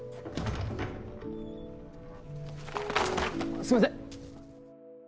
すいません！